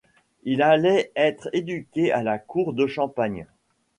Il allait être éduqué à la cour de Champagne.